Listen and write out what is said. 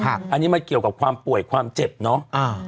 อันนี้มันเกี่ยวกับความป่วยความเจ็บเนาะ